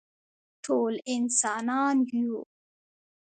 ټول انسانان یو